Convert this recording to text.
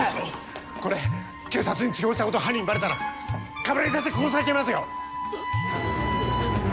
これ警察に通報したこと犯人にバレたら鏑木先生殺されちゃいますよ！